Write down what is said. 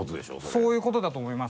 そういうことだと思います。